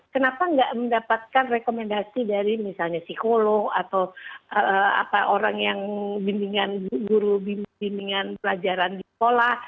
kenapa tidak mendapatkan rekomendasi dari misalnya psikolog atau orang yang bimbingan guru bimbingan pelajaran di sekolah